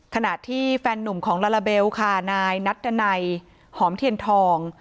ขณะที่แฟนหนุ่มของลาลาเบลค่ะนายนัดดันัยหอมเทียนทอง